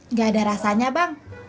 enggak ada rasanya pak